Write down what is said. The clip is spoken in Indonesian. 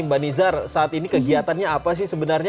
mbak nizar saat ini kegiatannya apa sih sebenarnya